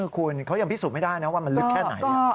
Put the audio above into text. คุณเขายังพิสูจน์ไม่ได้นะว่ามันลึกแค่ไหน